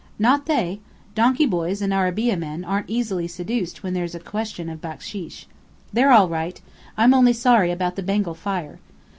"Not they. Donkey boys and arabeah men aren't easily seduced when there's a question of baksheesh. They're all right! I'm only sorry about the Bengal fire."